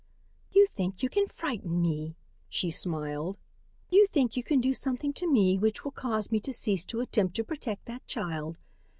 "You think you can frighten me," she smiled. "You think you can do something to me which will cause me to cease to attempt to protect that child.